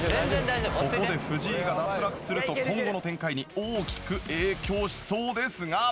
ここで藤井が脱落すると今後の展開に大きく影響しそうですが。